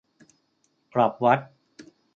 กลับวัด